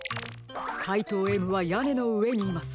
かいとうＭはやねのうえにいます。